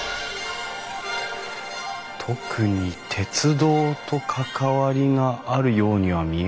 特に鉄道と関わりがあるようには見えないけど。